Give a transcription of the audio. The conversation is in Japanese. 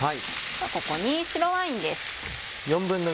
ここに白ワインです。